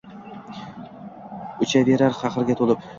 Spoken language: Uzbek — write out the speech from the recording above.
Uchaverar qahrga to’lib